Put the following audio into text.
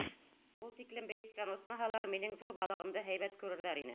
Ул тиклем бейектән осмаһалар, минең ҙур балығымды һәйбәт күрерҙәр ине.